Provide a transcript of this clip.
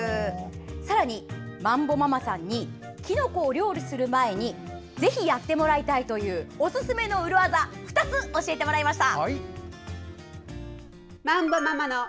さらに、まんぼママさんにきのこを料理をする前にぜひやってもらいたいというおすすめの裏技を２つ教えてもらいました。